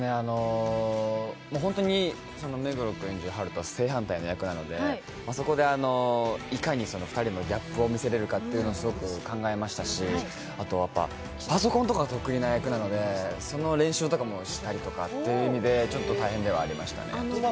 本当に目黒君演じるハルと正反対の役なので、そこでいかに彼のギャップを見せれるかというのをすごく考えましたし、あとは、パソコンとかが得意な役なのでその練習とかもしたりとかという意味でちょっと大変ではありました。